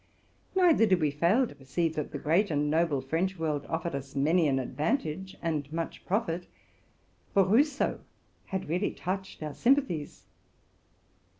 Neither did we fail to perceive that the great and noble French world offered us many an advantage and much profit, for Rousseau had really touched our sympathies.